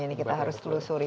ini kita harus telusuri